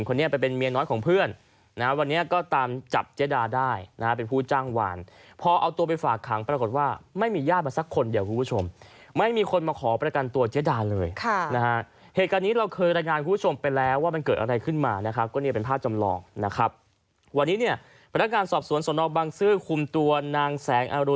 คนนี้ไปเป็นเมียน้อยของเพื่อนนะฮะวันนี้ก็ตามจับเจ๊ดาได้นะฮะเป็นผู้จ้างหวานพอเอาตัวไปฝากขังปรากฏว่าไม่มีญาติมาสักคนเดียวคุณผู้ชมไม่มีคนมาขอประกันตัวเจ๊ดาเลยค่ะนะฮะเหตุการณ์นี้เราเคยรายงานคุณผู้ชมไปแล้วว่ามันเกิดอะไรขึ้นมานะครับก็เนี่ยเป็นภาพจำลองนะครับวันนี้เนี่ยพนักงานสอบสวนสนบังซื้อคุมตัวนางแสงอรุ